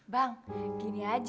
bang gini aja